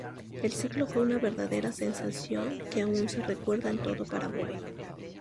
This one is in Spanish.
El ciclo fue una verdadera sensación que aún se recuerda en todo Paraguay.